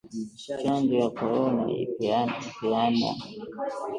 Chanjo ya korona ilipeanwa